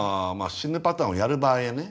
死ぬパターンをやる場合はね。